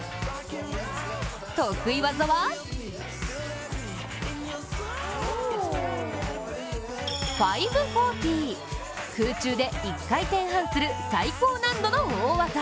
得意技は５４０、空中で１回転半する最高難度の大技。